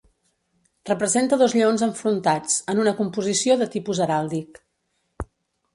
Representa dos lleons enfrontats, en una composició de tipus heràldic.